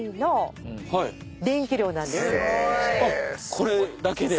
これだけで？